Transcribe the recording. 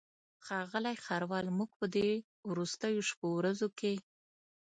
ښاغلی ښاروال موږ په دې وروستیو شپو ورځو کې.